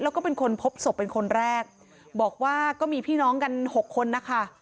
แล้วก็เป็นคนพบศพเป็นคนแรกบอกว่าก็มีพี่น้องกันหกคนนะคะ